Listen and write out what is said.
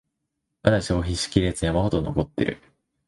まだ消費しきれず山ほど残ってる